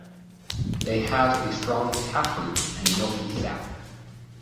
They have a strong taproot and milky sap.